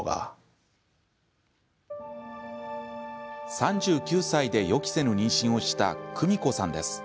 ３９歳で予期せぬ妊娠をしたクミコさんです。